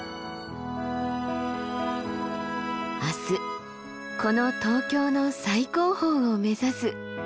明日この東京の最高峰を目指す。